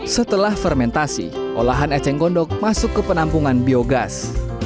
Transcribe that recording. setelah fermentasi olahan eceng gondok masuk ke penampungan biogas